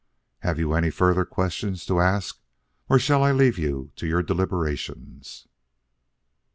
Have you any further questions to ask or shall I leave you to your deliberations?"